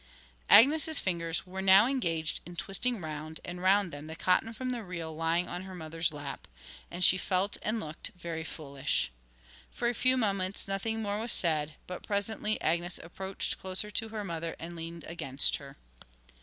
Agnes's fingers were now engaged in twisting round and round them the cotton from the reel lying on her mother's lap, and she felt and looked very foolish. For a few moments nothing more was said, but presently Agnes approached closer to her mother and leaned against her.